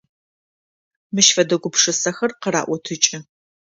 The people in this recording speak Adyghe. Мыщ фэдэ гупшысэхэр къыраӏотыкӏы…